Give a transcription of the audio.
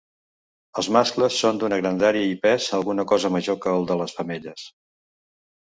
Els mascles són d'una grandària i pes alguna cosa major que el de les femelles.